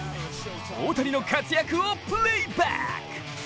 大谷の活躍をプレーバック！